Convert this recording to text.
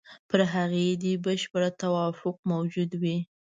پر هغې دې بشپړ توافق موجود وي.